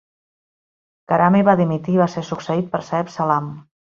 Karami va dimitir i va ser succeït per Saeb Salam.